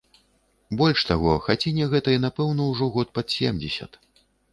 Больш таго, хаціне гэтай, напэўна, ужо год пад семдзесят.